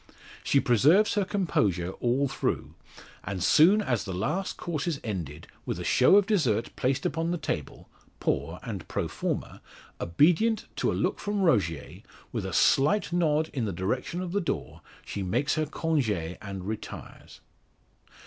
She preserves her composure all through, and soon as the last course is ended, with a show of dessert placed upon the table poor and pro forma obedient to a look from Rogier, with a slight nod in the direction of the door, she makes her conge, and retires.